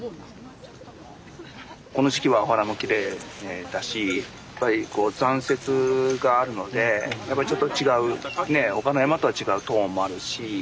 この時期はお花もきれいだしやっぱりこう残雪があるのでやっぱりちょっと違うね他の山とは違うトーンもあるし。